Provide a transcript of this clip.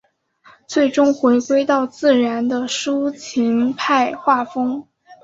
最终回归到自然的抒情派画风。